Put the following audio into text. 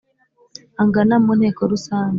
Angana mu nteko rusange